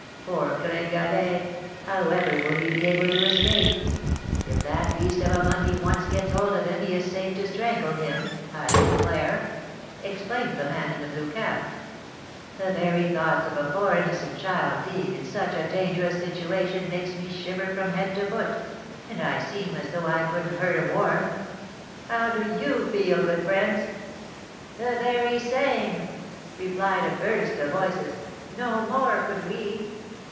"Poor Gringalet! How ever will he be able to escape? If that beast of a monkey once gets hold of him he is safe to strangle him! I declare," exclaimed the man in the blue cap, "the very thoughts of a poor innocent child being in such a dangerous situation makes me shiver from head to foot, and I seem as though I couldn't hurt a worm. How do you feel, good friends?" "The very same!" replied a burst of voices. "No more could we!"